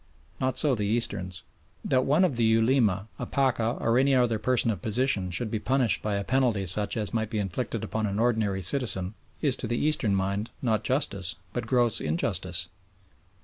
Not so the Easterns. That one of the Ulema, a Pacha or any other person of position should be punished by a penalty such as might be inflicted upon any ordinary citizen is to the Eastern mind not justice but gross injustice.